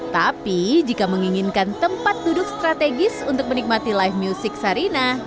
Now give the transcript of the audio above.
tapi jika menginginkan tempat duduk strategis untuk menikmati live music sarina